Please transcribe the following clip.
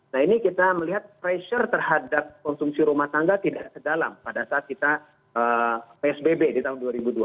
nah ini kita melihat pressure terhadap konsumsi rumah tangga tidak sedalam pada saat kita psbb di tahun dua ribu dua puluh